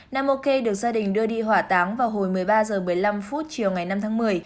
naoke được gia đình đưa đi hỏa táng vào hồi một mươi ba h một mươi năm chiều ngày năm tháng một mươi